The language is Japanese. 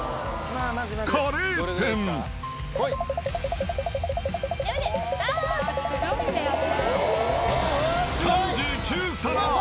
カレー店、３９皿。